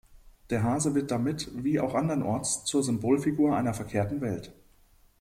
Der Hase wird damit, wie auch andernorts, zur Symbolfigur einer verkehrten Welt.